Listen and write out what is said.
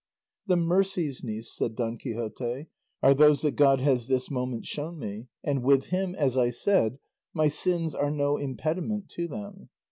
"The mercies, niece," said Don Quixote, "are those that God has this moment shown me, and with him, as I said, my sins are no impediment to them.